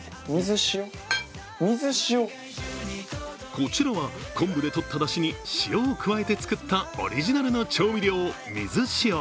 こちらは昆布でとっただしに塩を加えて作ったオリジナルの調味料、水塩。